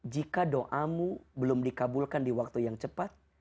jika doamu belum dikabulkan di waktu yang cepat